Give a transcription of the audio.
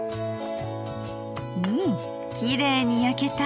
うんきれいに焼けた。